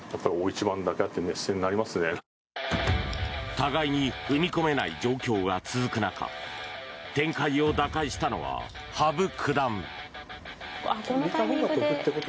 互いに踏み込めない状況が続く中展開を打開したのは羽生九段。